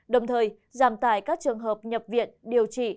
đồng thời giảm tải các trường hợp nhập viện điều trị